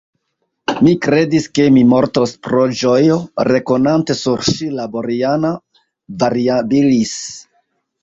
Mi kredis, ke mi mortos pro ĝojo, rekonante sur ŝi la Boriana variabilis.